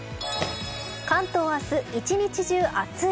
関東明日、１日中暑い！